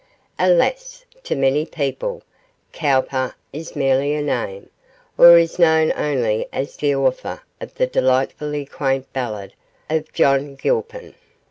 Alas! to many people Cowper is merely a name, or is known only as the author of the delightfully quaint ballad of John Gilpin.